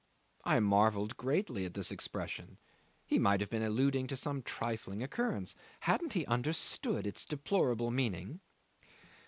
I marvelled greatly at this expression: he might have been alluding to some trifling occurrence. Hadn't he understood its deplorable meaning?